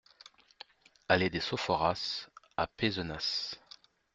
Allée des Sophoras à Pézenas